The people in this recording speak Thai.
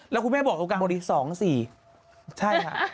แล้วคุณแม่บอกตรงกลางพอดี๒๔ใช่ค่ะ